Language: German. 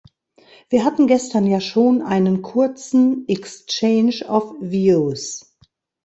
Wir hatten gestern ja schon einen kurzen exchange of views.